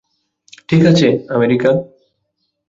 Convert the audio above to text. ঠিক আছে, আমেরিকা।